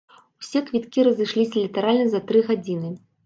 Усе квіткі разышліся літаральна за тры гадзіны.